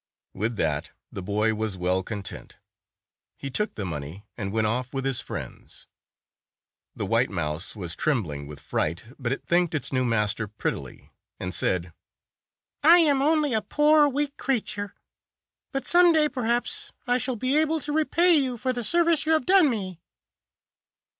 With that the boy was well content. He took the money and went off with his friends. The white mouse was trembling with fright, but it thanked its new master prettily, and said, "I am only a poor, weak creature, but some day, perhaps, I shall be able to repay you for the service you have done me."